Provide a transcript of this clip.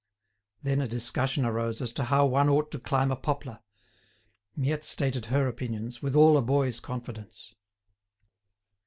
Then a discussion arose as to how one ought to climb a poplar. Miette stated her opinions, with all a boy's confidence.